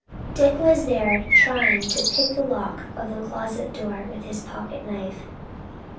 Dick was there trying to pick the lock of the closet door with his pocket knife.